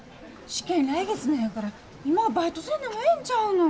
試験来月なんやから今はバイトせんでもええんちゃうの。